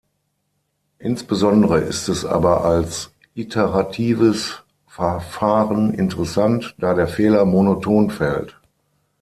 Insbesondere ist es aber als iteratives Verfahren interessant, da der Fehler monoton fällt.